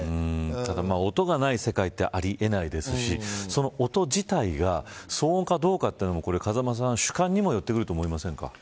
ただ、音がない世界ってありえないですしその音自体が騒音かどうかというのも風間さん、主観にもよってくると思いませんか。